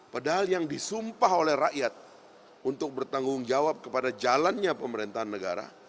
padahal yang disumpah oleh rakyat untuk bertanggung jawab kepada jalannya pemerintahan negara